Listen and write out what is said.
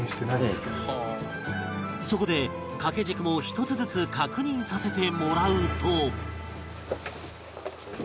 そこで掛け軸を１つずつ確認させてもらうと